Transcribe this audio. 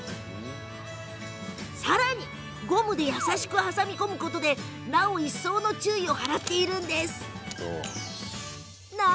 さらにゴムで優しく挟み込むことでなお一層の注意を払っているんです。。